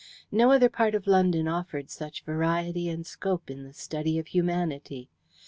No other part of London offered such variety and scope in the study of humanity.